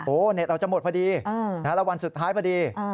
เน็ตเราจะหมดพอดีแล้ววันสุดท้ายพอดี